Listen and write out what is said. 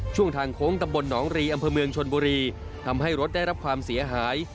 ทางโค้งตำบลหนองรีอำเภอเมืองชนบุรีทำให้รถได้รับความเสียหาย